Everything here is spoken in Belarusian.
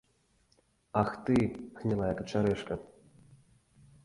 Ах ты, гнілая качарэжка!